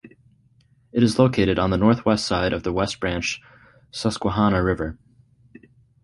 It is located on the northwest side of the West Branch Susquehanna River.